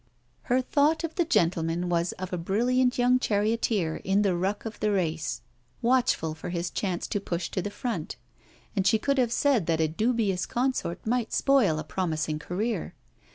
Her thought of the gentleman was of a brilliant young charioteer in the ruck of the race, watchful for his chance to push to the front; and she could have said that a dubious consort might spoil a promising career.